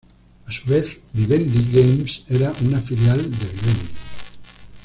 A su vez, Vivendi Games era una filial de Vivendi.